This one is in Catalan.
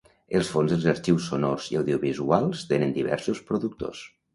El fons dels arxius sonors i audiovisuals tenen diversos productors.